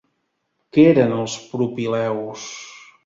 Què eren els Propileus?